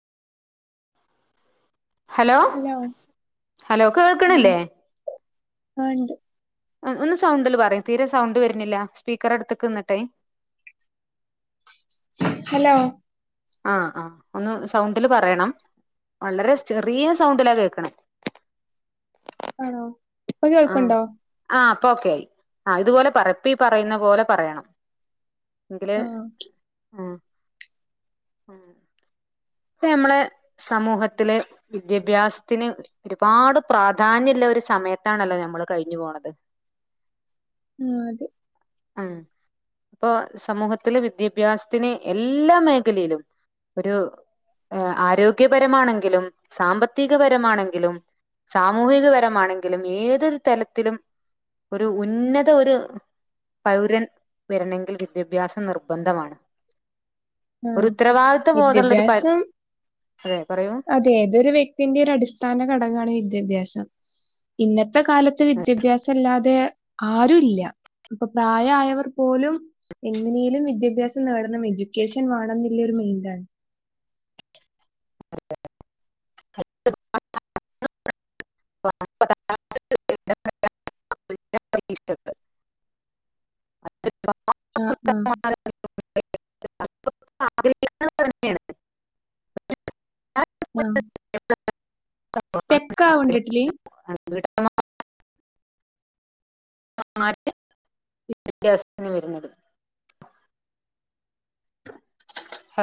Hello hello ആഹ് കേൾക്ക്ണ്ല്ലേ ആ ഇണ്ട് മ് ഒന്ന് സൗണ്ട്ല് പറി തീരെ സൗണ്ട് വര്നില്ല സ്പീക്കറെടുത്ത്ക്ക് ന്ന്ട്ടെ ഹലോ ആഹ് ആ ഒന്ന് സൗണ്ടില് പറയണം വളരെ ചെറിയ സൗണ്ടിലാ കേൾക്ക്ണേ ആണോ പ്പ ആഹ് കേൾക്ക്ണ്ടോ ആഹ് പ്പോക്കെ ആയി ആ ഇത് പോലെ പറ പ്പീ പറയുന്ന പോലെ പറയണം ങ്കില് ആഹ് ഉം ഉം ഇപ്പമ്മളെ സമൂഹത്തില് വിദ്യാഭ്യാസത്തിന്- ഒരുപാട് പ്രാധാന്യള്ളൊര് സമയത്താണല്ലോ നമ്മള് കഴിഞ്ഞു പോണത് ആത് ഉം പ്പൊ സമൂഹത്തില് വിദ്യാഭ്യാസത്തിന് എല്ലാ മേ കലയിലും ഒരു ഏ ആരോഗ്യപരമാണെങ്കിലും സാമ്പത്തികപരമാണെങ്കിലും സാമൂഹികപരമാണെങ്കിലും ഏതൊരു തലത്തിലും ഒരു ഉന്നത ഒര്- പൗരൻ വരണെങ്കിൽ വിദ്യഭ്യാസം നിർബന്ധമാണ്. ആഹ് ഒരുത്തരവാദിത്വ ബോധള്ളൊരു പ തെ പറയൂ അതേ ഏതൊരു വ്യക്തിന്റിം ഒരടിസ്ഥാന ഘടകാണ് വിദ്യാഭ്യാസം ഇന്നത്തെ കാലത്ത് വിദ്യാഭ്യാസല്ലാതെ ആരുല്ല പ്പൊ പ്രായായവർ പോലും എങ്ങനേലും വിദ്യാഭ്യാസം നേടണം എഡ്യൂക്കേഷൻ വാണംന്ന്ല്ലൊരു മെയിന്റാണ് [unintelligible] [unintelligible] ആഹ് ആഹ് [inaudible] ആഗ്രഹിക്ക്ന്നതെന്നേണ്. ആഹ് സ്റ്റെക്കാവ്ണ്ട്ട്ട്ലി [unintelligible] [inaudible] വിദ്യാഭ്യാസത്തിന് വരുന്നത്.